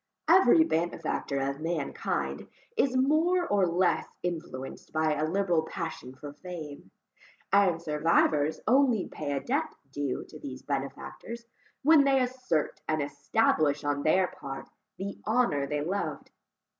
Every benefactor of mankind is more or less influenced by a liberal passion for fame; and survivors only pay a debt due to these benefactors, when they assert and establish on their part, the honour they loved.